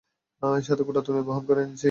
সাথে গোটা দুনিয়া বহন করে এনেছি।